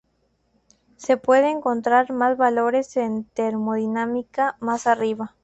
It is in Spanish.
Se pueden encontrar más valores en termodinámica, más arriba.